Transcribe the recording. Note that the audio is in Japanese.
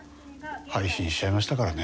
配信しちゃいましたからね。